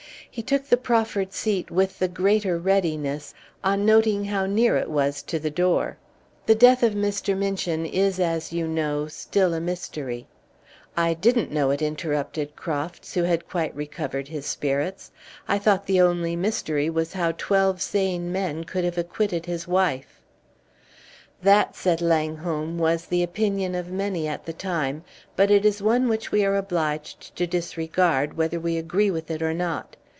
He took the proffered seat with the greater readiness on noting how near it was to the door. "The death of Mr. Minchin is, as you know, still a mystery " "I didn't know it," interrupted Crofts, who had quite recovered his spirits. "I thought the only mystery was how twelve sane men could have acquitted his wife." "That," said Langholm, "was the opinion of many at the time; but it is one which we are obliged to disregard, whether we agree with it or not.